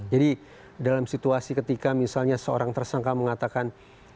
jadi dalam situasi ketika misalnya seorang tersangka mengatakan